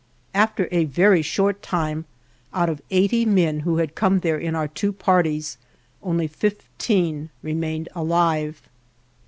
After a very short time, out of eighty men who had come there in our two parties only fifteen remained alive.